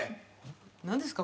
何ですか？